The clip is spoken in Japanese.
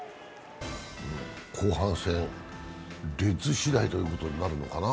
後半戦、レッズしだいということになるのかな。